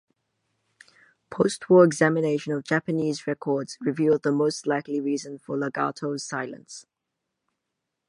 Post-war examination of Japanese records revealed the most likely reason for "Lagarto"'s silence.